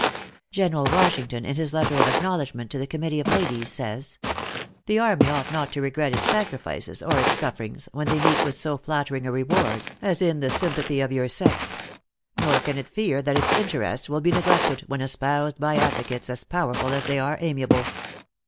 General Washington, in his letter of acknowledgment to the committee of ladies, says, "The army ought not to regret its sacrifices or its sufferings, when they meet with so flattering a reward, as in the sympathy of your sex; nor can it fear that its interests will be neglected, when espoused by advocates as powerful as they are amiable."